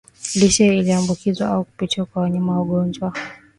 lishe iliyoambukizwa au kupitia kwa wanyama wagonjwa